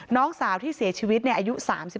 น้องสาวที่เสียชีวิตอายุ๓๒